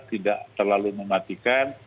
tidak terlalu mematikan